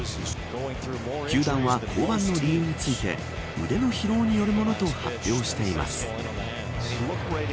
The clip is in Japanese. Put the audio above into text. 球団は降板の理由について腕の疲労によるものと発表しています。